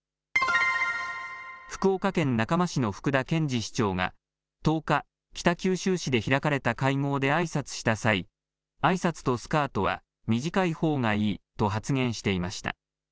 福岡県中間市の福田健次市長が１０日、北九州市で開かれた会合であいさつした際、あいさつとスカートは短いほうがいいと発言していました。